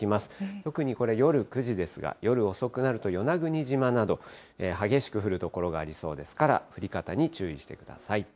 特にこれ、夜９時ですが、夜遅くなると与那国島など、激しく降る所がありそうですから、降り方に注意してください。